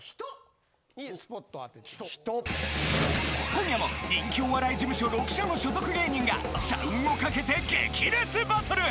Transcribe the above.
今夜も人気お笑い事務所６社の所属芸人が社運をかけて激烈バトル！